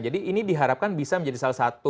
jadi ini diharapkan bisa menjadi salah satu